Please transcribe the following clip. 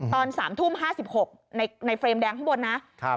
ตอนสามทุ่มห้าสิบหกในในเฟรมแดงข้างบนนะครับ